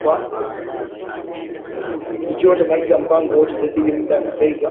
ikiwa utamaliza mpango wowote jadili muda na bei kwa